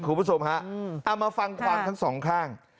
คุณผู้ชมฮะเอามาฟังความทั้งสองข้าง